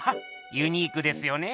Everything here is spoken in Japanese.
ユニークですよねぇ！